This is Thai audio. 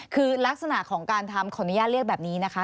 คือลักษณะของการทำขออนุญาตเรียกแบบนี้นะคะ